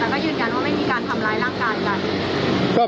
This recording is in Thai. แต่ก็ยืนยันว่าไม่มีการทำร้ายร่างกายกัน